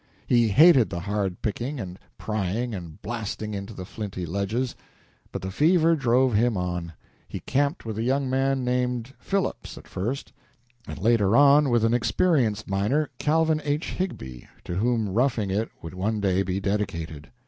He hated the hard picking and prying and blasting into the flinty ledges, but the fever drove him on. He camped with a young man named Phillips at first, and, later on, with an experienced miner, Calvin H. Higbie, to whom "Roughing It" would one day be dedicated.